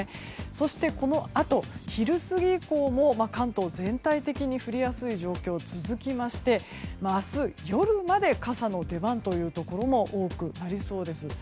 そして、このあと昼過ぎ以降も関東、全体的に降りやすい状況が続きまして明日夜まで傘の出番というところも多くなりそうです。